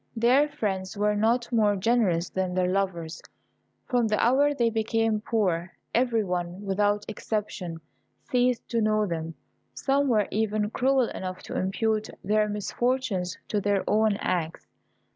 Their friends were not more generous than their lovers. From the hour they became poor, every one, without exception, ceased to know them. Some were even cruel enough to impute their misfortunes to their own acts.